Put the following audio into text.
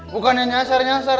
bukan yang nyasar nyasar